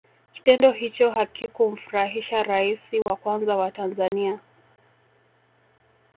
kitendo hicho hakikumfurahisha raisi wa kwanza wa tanzania